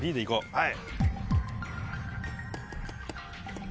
はい。